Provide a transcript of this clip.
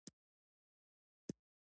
زه په ملګرو ودان یم.